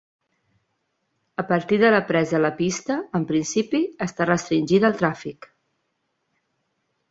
A partir de la presa la pista, en principi, està restringida al tràfic.